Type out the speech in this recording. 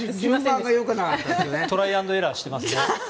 トライアンドエラーしてますね。